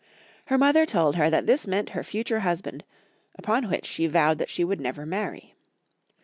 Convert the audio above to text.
Her mother told her that this meant her future hus band, upon which she vowed that she would never marry.